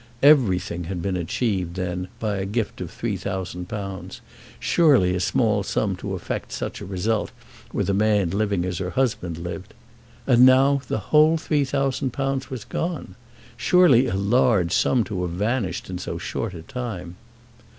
Everything had been achieved, then, by a gift of £3000, surely a small sum to effect such a result with a man living as her husband lived. And now the whole £3000 was gone; surely a large sum to have vanished in so short a time!